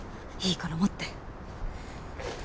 いいから持って。